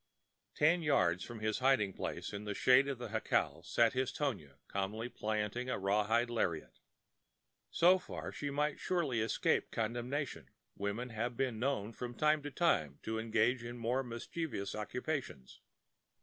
Ten yards from his hiding place, in the shade of the jacal, sat his Tonia calmly plaiting a rawhide lariat. So far she might surely escape condemnation; women have been known, from time to time, to engage in more mischievous occupations.